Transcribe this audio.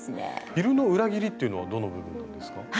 「昼の裏切り」っていうのはどの部分なんですか？